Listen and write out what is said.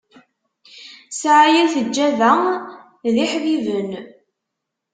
Sɛaya teǧǧaba d iḥbiben.